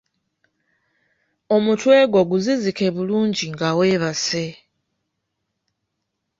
Omutwe gwo guzizike bulungi nga weebase.